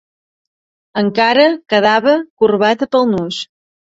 Encara quedava corbata pel nus